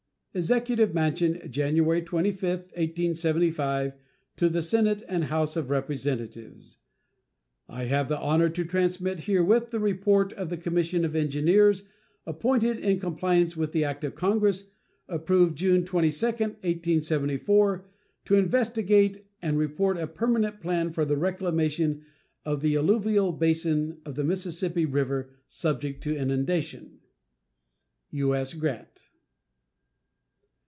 EXECUTIVE MANSION, January 25, 1875. To the Senate and House of Representatives: I have the honor to transmit herewith the report of the commission of engineers appointed in compliance with the act of Congress approved June 22, 1874, to investigate and report a permanent plan for the reclamation of the alluvial basin of the Mississippi River subject to inundation. U.S. GRANT.